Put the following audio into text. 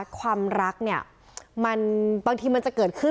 ความรักเนี่ยมันบางทีมันจะเกิดขึ้น